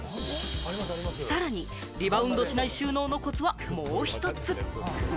さらにリバウンドしない収納のコツはもう一つ。